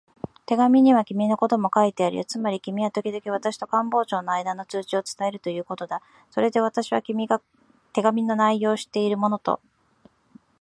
手紙には君のことも書いてあるよ。つまり君はときどき私と官房長とのあいだの通知を伝えるということだ。それで私は、君が手紙の内容を知っているものと